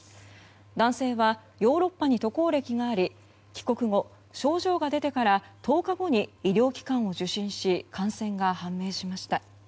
男性はヨーロッパに渡航歴があり帰国後、症状が出てから１０日後に医療機関を受診し感染が判明しました。